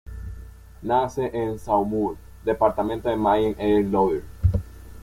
Nace en Saumur, departamento de Maine-et-Loire.